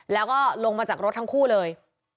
แล้วก็ลงมาจากรถทั้งคู่เลย